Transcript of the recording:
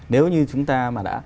nếu như chúng ta mà đã